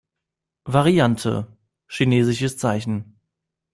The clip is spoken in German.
Variante: 尣